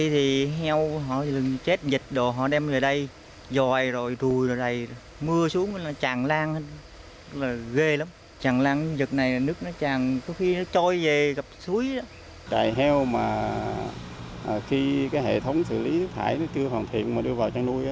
trại heo mà khi hệ thống xử lý nước thải chưa hoàn thiện mà đưa vào chăn nuôi